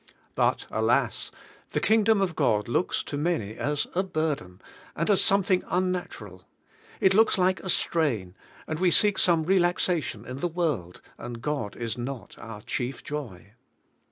But, alas! the Kingdom of God looks to many as a burden, and as some thing unnatural. It looks like a strain, and we seek some relaxation in the world, and God is not our chief joy.